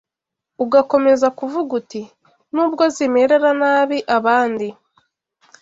ugakomeza kuvuga uti: “Nubwo zimerera nabi abandi,